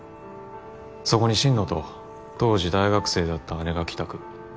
そこに心野と当時大学生だった姉が帰宅。